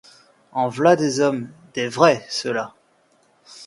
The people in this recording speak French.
En vlà des hommes, et des vrais, ceux-là !